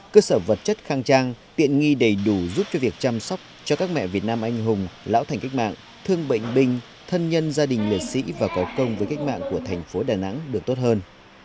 cơ sở vật chất khang trang tiện nghi đầy đủ giúp cho việc chăm sóc cho các mẹ việt nam anh hùng lão thành cách mạng thương bệnh binh thân nhân gia đình liệt sĩ và có công với cách mạng của thành phố đà nẵng được tốt hơn